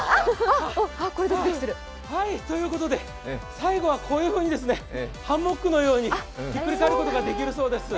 最後はこういうふうに、ハンモックのようにひっくり返ることができるそうです。